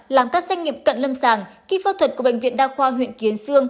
làm các doanh nghiệp cận lâm sàng khi phẫu thuật của bệnh viện đa khoa huyện kiến sương